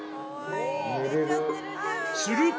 すると。